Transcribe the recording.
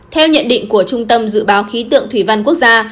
theo nhận định của trung tâm dự báo khí tượng thủy văn quốc gia